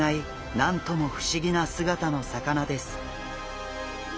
なんとも不思議な姿の魚です。